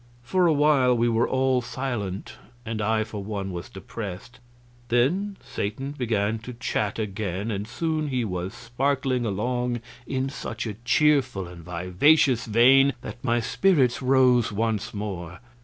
For a while we were all silent, and I, for one, was depressed. Then Satan began to chat again, and soon he was sparkling along in such a cheerful and vivacious vein that my spirits rose once more.